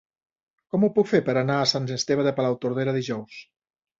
Com ho puc fer per anar a Sant Esteve de Palautordera dijous?